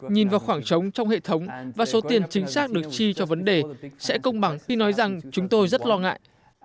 nhìn vào khoảng trống trong hệ thống và số tiền chính xác được chi cho vấn đề sẽ công bằng khi nói rằng chúng tôi rất lo ngại